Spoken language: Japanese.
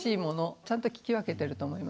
ちゃんと聞き分けてると思います。